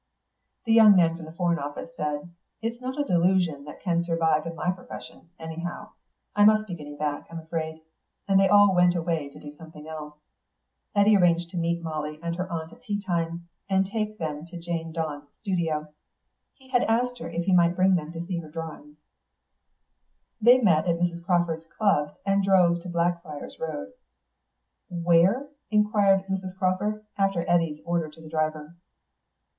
The young man from the Foreign Office said, "It's not a delusion that can survive in my profession, anyhow. I must be getting back, I'm afraid," and they all went away to do something else. Eddy arranged to meet Molly and her aunt at tea time, and take them to Jane Dawn's studio; he had asked her if he might bring them to see her drawings. They met at Mrs. Crawford's club, and drove to Blackfriars' Road. "Where?" inquired Mrs. Crawford, after Eddy's order to the driver.